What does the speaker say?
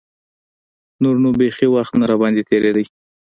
نور نو بيخي وخت نه راباندې تېرېده.